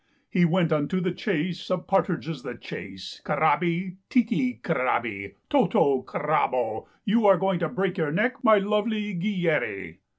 He went unto the chase, Of partridges the chase. Carabi. Titi Carabi, Toto Carabo, You're going to break your neck, My lovely Guilleri."